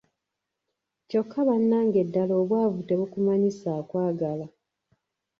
Kyokka bannange ddala obwavu tebukumanyisa akwagala.